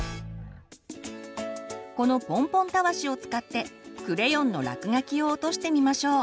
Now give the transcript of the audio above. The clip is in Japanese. このポンポンたわしを使ってクレヨンの落書きを落としてみましょう。